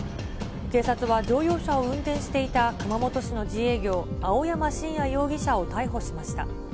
警察は乗用車を運転していた熊本市の自営業、青山真也容疑者を逮捕しました。